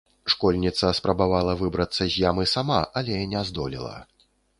Школьніца спрабавала выбрацца з ямы сама, але не здолела.